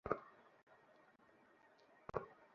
হে জিবরাঈল, মীকাঈল ও ইসরাফীল-এর প্রতিপালক!